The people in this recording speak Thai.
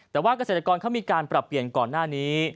แต่ว่าเกษตรกรเขามีการปรับเปลี่ยนก่อนหน้านี้